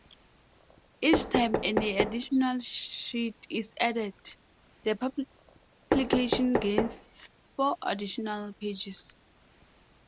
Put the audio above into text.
Each time an additional sheet is added, the publication gains four additional pages.